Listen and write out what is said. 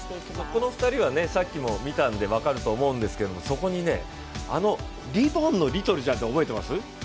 この２人はさっきも見たので分かると思うんですが、リボンのリトルちゃんって覚えてます？